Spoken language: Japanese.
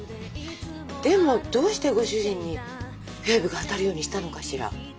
でもどうしてご主人にフェーブが当たるようにしたのかしら？